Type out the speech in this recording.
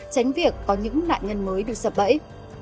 tránh việc có những nạn nhân mới bị sập bẫy